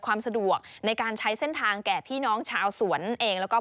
ความสะดวกในการใช้เส้นทางแก่พี่น้องชาวสวนเองแล้วก็